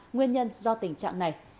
nguyên nhân do tình trạng này